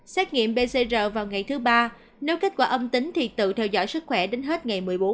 xét nghiệm pcr vào ngày thứ ba nếu kết quả âm tính thì tự theo dõi sức khỏe đến hết ngày một mươi bốn